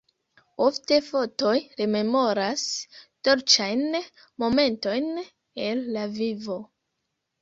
Ofte fotoj rememoras dolĉajn momentojn el la vivo.